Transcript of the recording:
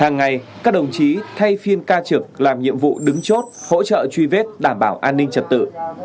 ngày các đồng chí thay phiên ca trực làm nhiệm vụ đứng chốt hỗ trợ truy vết đảm bảo an ninh trật tự